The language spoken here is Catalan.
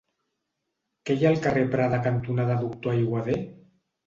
Què hi ha al carrer Prada cantonada Doctor Aiguader?